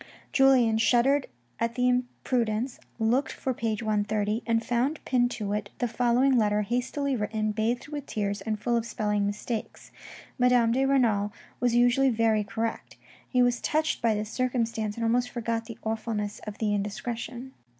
Julien shuddered at the imprudence, looked for page 130, and found pinned to it the following letter hastily written, bathed with tears, and full of spelling mistakes. Madame de Renal was usually very correct. He was touched by this circumstance, and somewhat forgot the awfulness of the indiscretion.